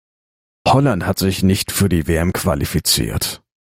Holland hat sich nicht für die WM qualifiziert.